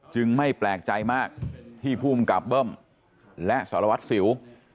ไม่แปลกใจมากที่ภูมิกับเบิ้มและสารวัตรสิว